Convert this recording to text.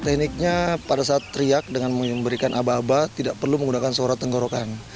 tekniknya pada saat teriak dengan memberikan aba aba tidak perlu menggunakan suara tenggorokan